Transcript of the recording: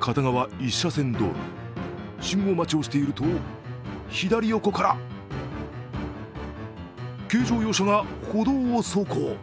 片側１車線道路、信号待ちをしていると、左横から軽乗用車が歩道を走行。